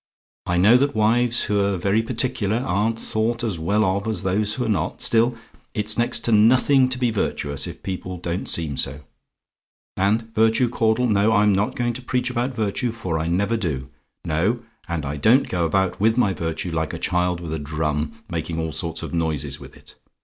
I know that wives who're very particular aren't thought as well of as those who're not still, it's next to nothing to be virtuous, if people don't seem so. And virtue, Caudle no, I'm not going to preach about virtue, for I never do. No; and I don't go about with my virtue, like a child with a drum, making all sorts of noises with it.